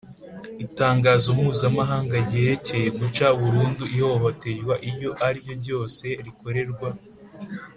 Itangazo mpuzamahanga ryerekeye guca burundu ihohoterwa iryo ari ryo ryose rikorerwa